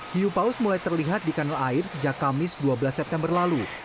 hiu paus mulai terlihat di kanal air sejak kamis dua belas september lalu